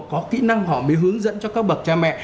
có kỹ năng họ mới hướng dẫn cho các bậc cha mẹ